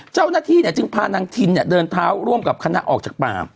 เจ้าหน้าที่จึงพานางทินเนี่ยเดินเท้าร่วมกับคณะออกจากป่า